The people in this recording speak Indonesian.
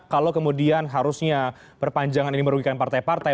kalau kemudian harusnya perpanjangan ini merugikan partai partai